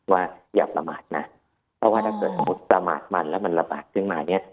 อย่าประมาทนะเพราะว่าถ้าเกิดสมมุติประมาทมันแล้วมันระบาดขึ้นมาเนี่ย